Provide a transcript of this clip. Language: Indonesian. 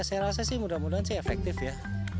saya rasa sih mudah mudahan sih efektif ya